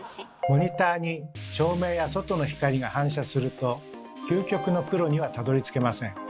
モニターに照明や外の光が反射すると「究極の黒」にはたどりつけません。